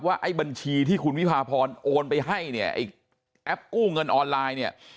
ไอ้บัญชีที่คุณวิพาพรโอนไปให้เนี่ยไอ้แอปกู้เงินออนไลน์เนี่ย